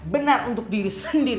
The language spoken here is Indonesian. benar untuk diri sendiri